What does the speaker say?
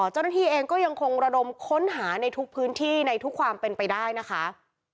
เจ้าหน้าที่เองก็ยังคงระดมค้นหาในทุกพื้นที่ในทุกความเป็นไปได้นะคะ